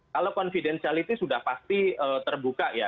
kalau confidentiality sudah pasti terbuka ya